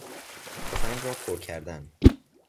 تفنگ را پر کردن